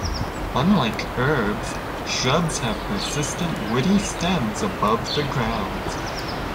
Unlike herbs, shrubs have persistent woody stems above the ground.